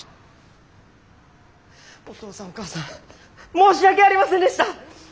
お父さんお母さん申し訳ありませんでした！